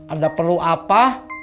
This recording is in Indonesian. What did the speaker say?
ada perlu apa